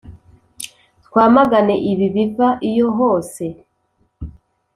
Twamagane ibibi biva iyo hose